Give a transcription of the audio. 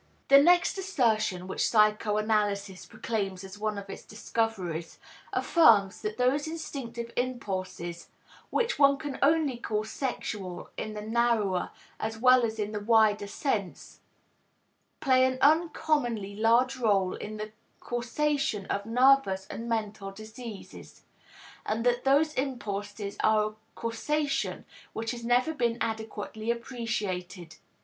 The next assertion which psychoanalysis proclaims as one of its discoveries, affirms that those instinctive impulses which one can only call sexual in the narrower as well as in the wider sense, play an uncommonly large role in the causation of nervous and mental diseases, and that those impulses are a causation which has never been adequately appreciated.